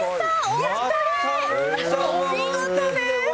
お見事です。